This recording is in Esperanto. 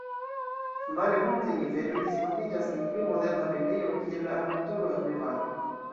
Male multaj niveloj disvolviĝas en pli moderna medio, kiel la aventuro en Nevado.